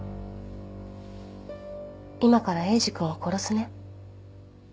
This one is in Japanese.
今からエイジ君を殺すね。